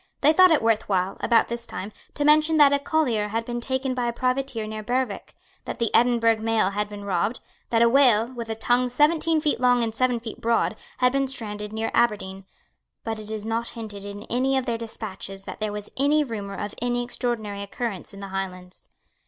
They thought it worth while, about this time, to mention that a collier had been taken by a privateer near Berwick, that the Edinburgh mail had been robbed, that a whale, with a tongue seventeen feet long and seven feet broad, had been stranded near Aberdeen. But it is not hinted in any of their despatches that there was any rumour of any extraordinary occurrence in the Highlands.